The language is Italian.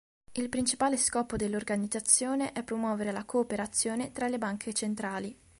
Il principale scopo dell'organizzazione è promuovere la cooperazione tra la banche centrali.